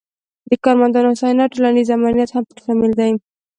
د کارمندانو هوساینه او ټولنیز امنیت هم پکې شامل دي.